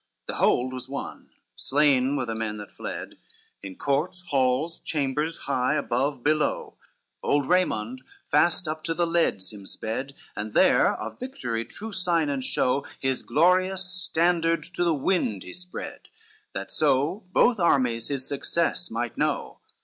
XCI The hold was won, slain were the men that fled, In courts, halls, chambers high; above, below, Old Raymond fast up to the leads him sped, And there, of victory true sign and show, His glorious standard to the wind he spread, That so both armies his success might know.